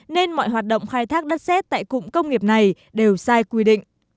nên mọi hoạt động khai thác đất xét tại cụm công nghiệp này đều sai quy định